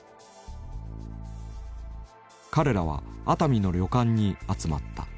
彼らは熱海の旅館に集まった。